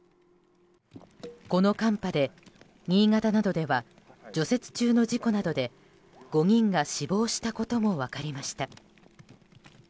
この寒波で、新潟などでは除雪中の事故などで５人が死亡したことも分かりました。